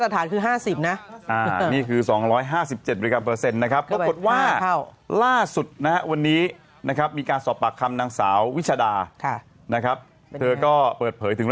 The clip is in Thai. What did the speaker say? แต่ไม่ยอมหยุด